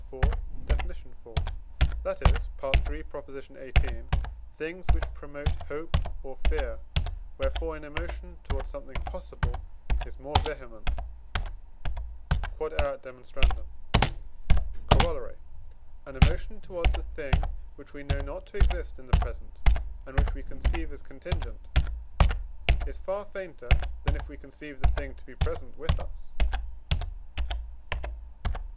iv.), that is (III. xviii.), things which promote hope or fear: wherefore an emotion towards something possible is more vehement. Q.E.D. Corollary. An emotion towards a thing, which we know not to exist in the present, and which we conceive as contingent, is far fainter, than if we conceive the thing to be present with us.